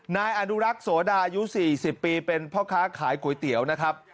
นายอนุรักษ์โสดาอายุ๔๐ปีเป็นพ่อค้าขายก๋วยเตี๋ยวนะครับ